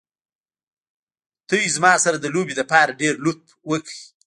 تاسې زما سره د لوبې لپاره ډېر لطف وکړ.